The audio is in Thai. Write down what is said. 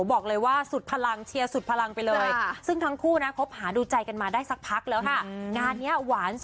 ออกตัวแรงเชียร์แฟนสาว